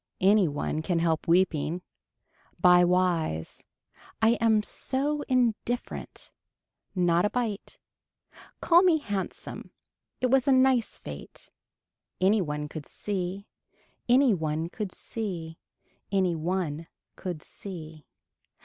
Any one can help weeping. By wise. I am so indifferent. Not a bite. Call me handsome. It was a nice fate. Any one could see. Any one could see. Any one could see.